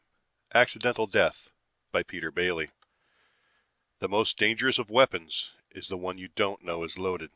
net ACCIDENTAL DEATH BY PETER BAILY _The most dangerous of weapons is the one you don't know is loaded.